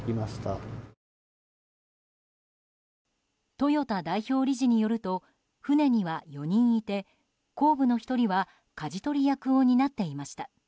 豊田代表理事によると船には４人いて後部の１人はかじ取り役を担っていました。